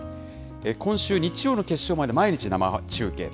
今週日曜の決勝まで毎日生中継と。